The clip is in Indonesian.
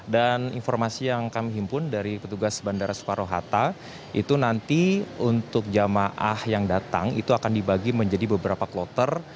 dan informasi yang kami himpun dari petugas bandara soekarohata itu nanti untuk jemaah yang datang itu akan dibagi menjadi beberapa kloter